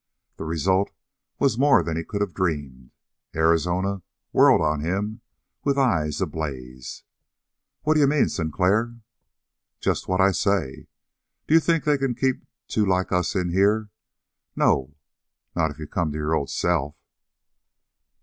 The result was more than he could have dreamed. Arizona whirled on him with eyes ablaze. "What d'you mean, Sinclair?" "Just what I say. D'you think they can keep two like us in here? No, not if you come to your old self."